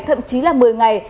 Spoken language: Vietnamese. thậm chí là một mươi ngày